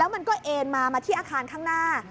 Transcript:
มันก็เอ็นมามาที่อาคารข้างหน้า